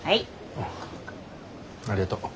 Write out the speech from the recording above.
あありがとう。